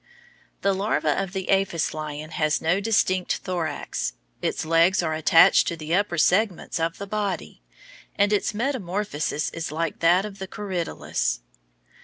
The larva of the aphis lion has no distinct thorax. Its legs are attached to the upper segments of the body, and its metamorphosis is like that of the corydalus.